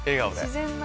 自然な。